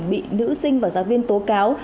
bị nữ sinh và giáo viên tố cáo